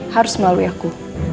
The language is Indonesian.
harus melalui aku